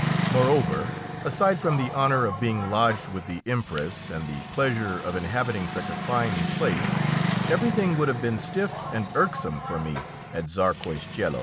Moreover, aside from the honour of being lodged with the Empress and the pleasure of inhabiting such a fine place, everything would have been stiff and irksome for me at Czarskoiesielo.